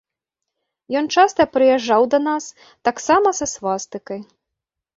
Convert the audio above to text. Ён часта прыязджаў да нас, таксама са свастыкай.